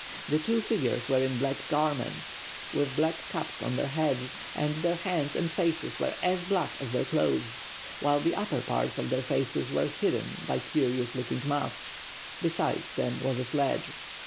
The two figures were in black garments, with black caps on their heads, and their hands and faces were as black as their clothes, while the upper parts of their faces were hidden by curious looking masks. Beside them was a sledge.